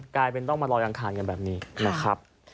กลายเป็นต้องมาลอยอังคารกันแบบนี้นะครับ